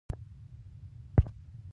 پلار نصیحت کاوه.